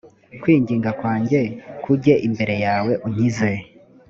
kwinginga kwanjye kujye imbere yawe, unkize.